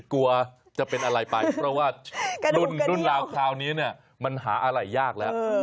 กลัวจะเป็นอะไรไปเพราะว่ารุ่นราวคราวนี้เนี่ยมันหาอะไรยากแล้ว